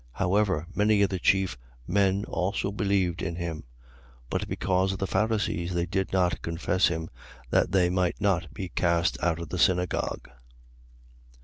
12:42. However, many of the chief men also believed in him: but because of the Pharisees they did not confess him, that they might not be cast out of the synagogue.